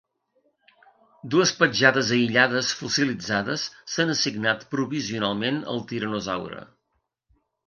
Dues petjades aïllades fossilitzades s'han assignat provisionalment al tiranosaure.